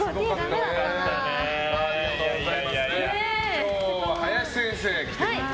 今日は林先生が来てくれて。